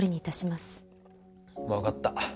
わかった。